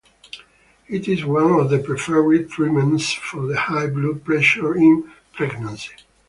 It is one of the preferred treatments for high blood pressure in pregnancy.